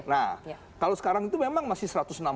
nah kalau sekarang itu memang masih satu ratus enam puluh